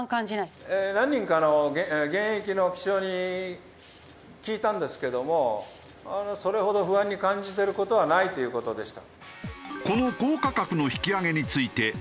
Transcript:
何人かの現役の機長に聞いたんですけどもそれほど不安に感じてる事はないという事でした。